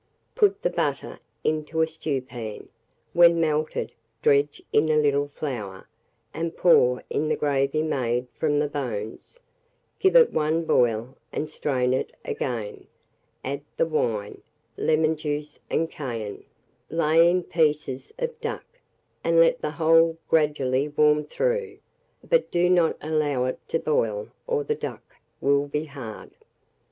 Put the butter into a stewpan; when melted, dredge in a little flour, and pour in the gravy made from the bones; give it one boil, and strain it again; add the wine, lemon juice, and cayenne; lay in the pieces of duck, and let the whole gradually warm through, but do not allow it to boil, or the duck will be hard.